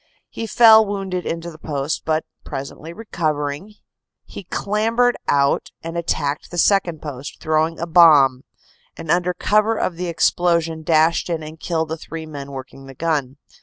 He fell wounded into the post, but presently recovering, he clambered out and attacked the second post, throwing a bomb, and under cover of the explosion dashed in and killed the three men working the gun.